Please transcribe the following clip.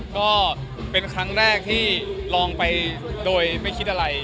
ก็เป็นครั้งแรกที่ลองไปโดยไม่คิดอะไร